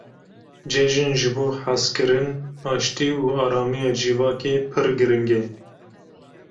Cejin ji bo hezkirin, aştî û aramiya civakê pir giring e.